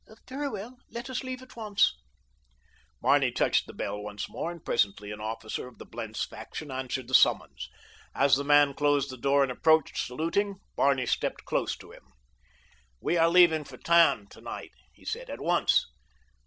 "Very well, let us leave at once." Barney touched the bell once more, and presently an officer of the Blentz faction answered the summons. As the man closed the door and approached, saluting, Barney stepped close to him. "We are leaving for Tann tonight," he said, "at once.